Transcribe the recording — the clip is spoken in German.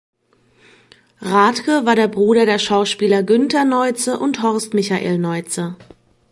Radke, war der Bruder der Schauspieler Günther Neutze und Horst Michael Neutze.